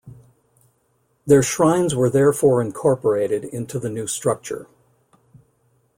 Their shrines were therefore incorporated into the new structure.